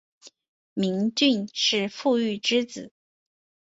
明俊是傅玉之子。